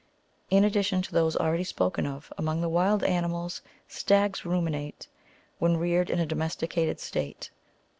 In addition to those already spoken of, among the wild animals, stags ruminate, when reared in a domesticated state.